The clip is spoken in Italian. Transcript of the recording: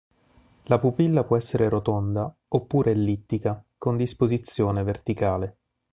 La pupilla può essere rotonda, oppure ellittica, con disposizione verticale.